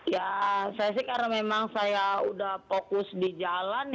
ya saya sih karena memang saya udah fokus di jalan